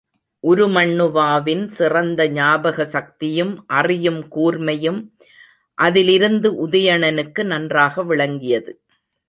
உருமண்ணுவாவின் சிறந்த ஞாபகசக்தியும் அறியும் கூர்மையும் அதிலிருந்து உதயணனுக்கு நன்றாக விளங்கியது.